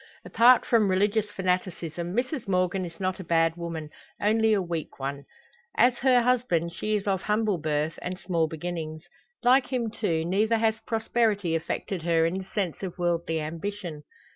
Apart from religious fanaticism, Mrs Morgan is not a bad woman only a weak one. As her husband, she is of humble birth, and small beginnings; like him, too, neither has prosperity affected her in the sense of worldly ambition.